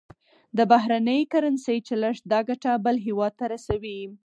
د بهرنۍ کرنسۍ چلښت دا ګټه بل هېواد ته رسوي.